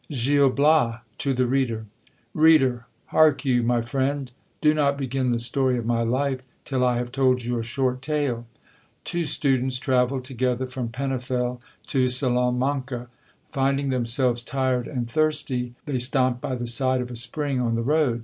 GIL BLAS TO THE READER. Reader ! hark you, my friend ! Do not begin the story of my life till I have told you a short tale. Two students travelled together from Penafiel to Salamanca. Finding themselves tired and thirsty, they stopped by the side of a spring on the road.